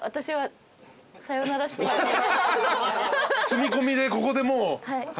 住み込みでここでもう働きます？